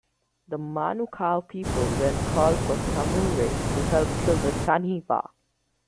The Manukau people then called for Tamure to help kill the taniwha.